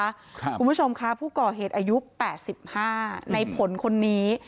ค่ะคุณผู้ชมค่ะผู้ก่อเหตุอายุแปดสิบห้าในผลคนนี้